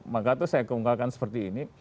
maka itu saya keunggahkan seperti ini